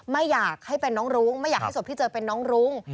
ไม่อยากให้เป็นน้องรุ้งไม่อยากให้ศพที่เจอเป็นน้องรุ้ง